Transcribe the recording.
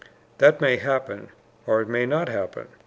That may happen or it may not happen.